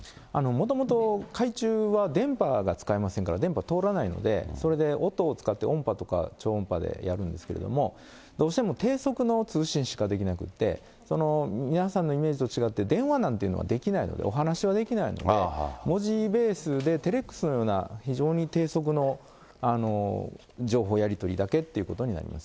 もともと海中は電波が使えませんから、電波が通らないので、それで音を使って、音波とか超音波でやるんですけれども、どうしても低速の通信しかできなくて、皆さんのイメージと違って、電話なんていうのはできないので、お話しはできないので、文字ベースでテレックスのような、非常に低速の情報やり取りだけということになります。